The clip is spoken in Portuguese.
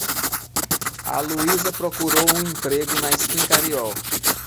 A Luísa procurou um emprego na Schincariol.